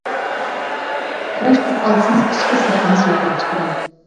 قۇراشتۇرۇپ ئالسىڭىز ئىچكى سەپلىمىسى يۇقىرى چىقىدۇ.